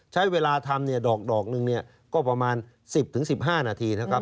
ใช้เวลาทำเนี่ยดอกดอกหนึ่งเนี่ยก็ประมาณสิบถึงสิบห้านาทีนะครับ